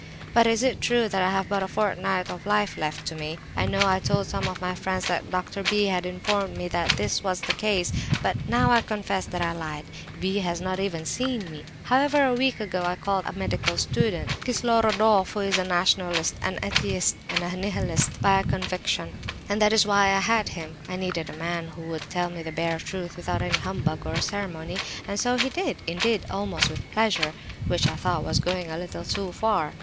"But is it true that I have but a fortnight of life left to me? I know I told some of my friends that Doctor B. had informed me that this was the case; but I now confess that I lied; B. has not even seen me. However, a week ago, I called in a medical student, Kislorodoff, who is a Nationalist, an Atheist, and a Nihilist, by conviction, and that is why I had him. I needed a man who would tell me the bare truth without any humbug or ceremony—and so he did—indeed, almost with pleasure (which I thought was going a little too far).